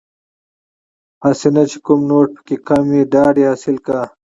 هسې نه چې کوم نوټ پکې کم وي ډاډ یې حاصل کړ.